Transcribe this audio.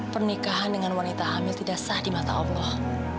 pernikahan dengan wanita hamil tidak sah di mata allah